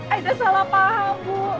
aida salah paham bu